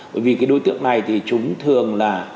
bởi vì cái đối tượng này thì chúng thường là